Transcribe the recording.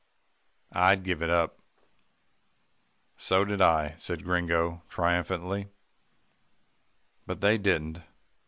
I give it up." "So did I," said Gringo triumphantly, "but they didn't.